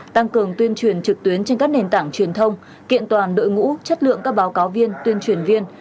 tăng cường tuyên truyền trực tuyến trên các nền tảng truyền thông kiện toàn đội ngũ chất lượng các báo cáo viên tuyên truyền viên